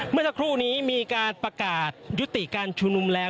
เมื่อสักครู่นี้มีการประกาศยุติการชุมนุมแล้ว